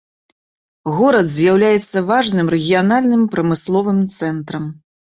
Горад з'яўляецца важным рэгіянальным прамысловым цэнтрам.